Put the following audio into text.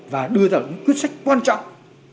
và đưa ra những quyết sách quan trọng